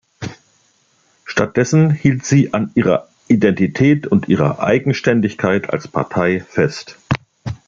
Stattdessen hielt sie an ihrer Identität und ihrer Eigenständigkeit als Partei fest.